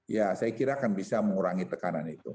ya saya kira akan bisa mengurangi tekanan itu